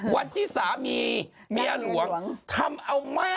วันที่สามีเมียหลวงทำเอาแม่